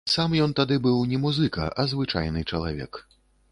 Сам ён тады быў не музыка, а звычайны чалавек.